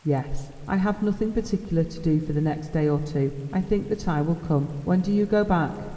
"Yes, I have nothing particular to do for the next day or two. I think that I will come. When do you go back?"